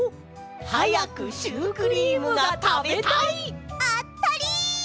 はやくシュークリームがたべたい！あたり！